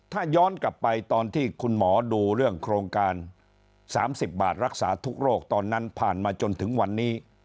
ถ้าย้อนกลับไปตอนที่คุณหมอดูเรื่องโครงการ๓๐บาทรักษาทุกโรคตอนนั้นผ่านมาจนถึงวันนี้